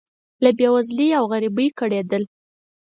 له بې وزلۍ او غریبۍ کړېدل.